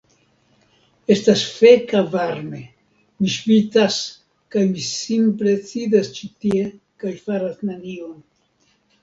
Estas feka varme. Mi ŝvitas kaj mi simple sidas ĉi tie kaj faras nenion.